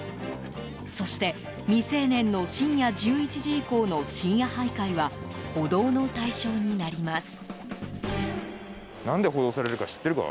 そして、未成年の深夜１１時以降の深夜徘徊は補導の対象になります。